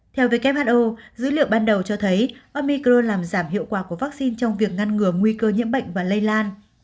theo who dữ liệu ban đầu cho thấy omicro làm giảm hiệu quả của vaccine trong việc ngăn ngừa nguy cơ nhiễm bệnh và lây lan